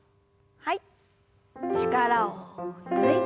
はい。